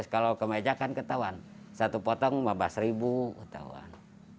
kalau kemeja kan ketahuan satu potong lima belas ribu ketahuan